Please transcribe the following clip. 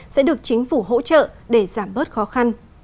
sẽ được chính phủ hỗ trợ để giảm bớt khó khăn